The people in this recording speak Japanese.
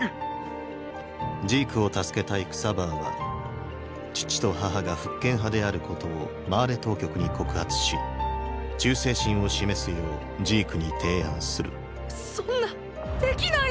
ジークを助けたいクサヴァーは父と母が復権派であることをマーレ当局に告発し忠誠心を示すようジークに提案するそんな！！できないよ！！